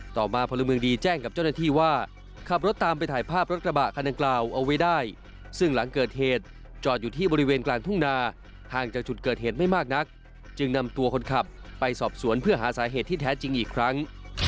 ต่อมาพลเมืองดีแจ้งกับเจ้าหน้าที่ว่าขับรถตามไปถ่ายภาพรถกระบะคันดังกล่าวเอาไว้ได้ซึ่งหลังเกิดเหตุจอดอยู่ที่บริเวณกลางทุ่งนาห่างจากจุดเกิดเหตุไม่มากนักจึงนำตัวคนขับไปสอบสวนเพื่อหาสาเหตุที่แท้จริงอีกครั้ง